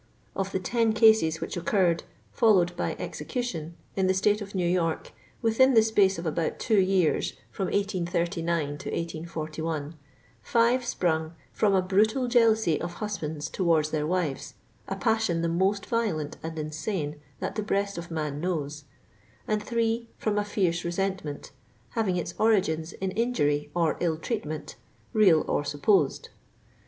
Of the ten cases which occurred,' followed by execution, in the state of New York, within the space of about two years, from 1839 to 1841, five sprung *<from a brutal jealousy of husbands toward their wives, a passion the most violent and insane that the breast of man knows, and three from a fierce resentment, having its origin in injury or ill treatment, real or supposed."